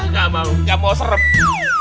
nggak mau nggak mau serep